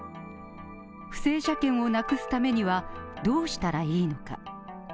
不正車検をなくすためにはどうしたらいいのか。